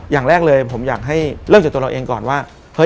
อย่างแรกเลยผมอยากให้เริ่มจากตัวเราเองก่อนว่า